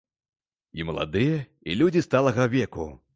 І маладыя, і людзі сталага веку.